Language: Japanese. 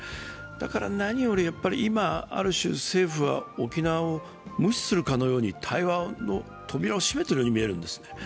だから、何より今、ある種政府は沖縄を無視するかのように対話の扉を閉めているように見えるんです。